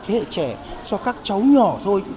thế hệ trẻ cho các cháu nhỏ thôi